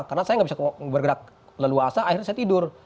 karena saya nggak bisa bergerak leluasa akhirnya saya tidur